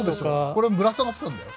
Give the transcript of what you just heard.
これぶら下がってたんだよ。